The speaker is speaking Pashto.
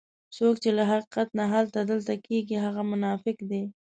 څوک چې له حقیقت نه هلته دلته کېږي هغه منافق دی.